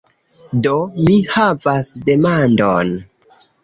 Do, mi havas demandon.